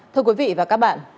thưa quý vị và các bạn